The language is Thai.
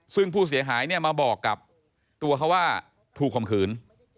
ซึ่งผู้เสียหายเนี่ยมาบอกกับตัวเขาว่าถูกคมขืน